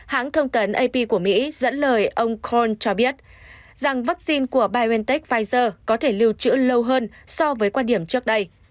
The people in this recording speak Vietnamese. hãng thông tấn ap của mỹ dẫn lời ông corld cho biết rằng vaccine của biontech pfizer có thể lưu trữ lâu hơn so với quan điểm trước đây